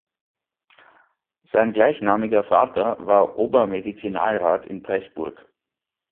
Sein gleichnamiger Vater war Obermedizinalrat in Preßburg.